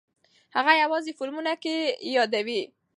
هغوی یوازې فلمونو کې یې یادوي.